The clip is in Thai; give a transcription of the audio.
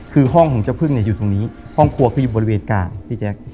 คือห้องของเจ้าพึ่งเนี่ยอยู่ตรงนี้ห้องครัวคืออยู่บริเวณกลางพี่แจ๊ค